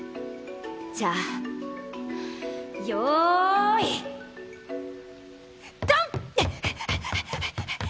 じゃあ用意ドン！